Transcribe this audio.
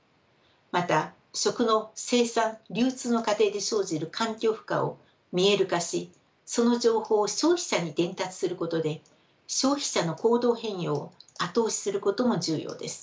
また食の生産流通の過程で生じる環境負荷を見える化しその情報を消費者に伝達することで消費者の行動変容を後押しすることも重要です。